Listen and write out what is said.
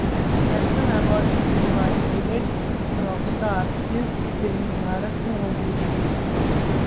national award जीतने वाली 'village rockstars' इस दिन भारत में होगी रिलीज